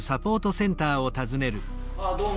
ああどうも。